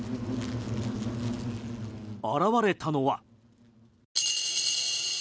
現れたのは。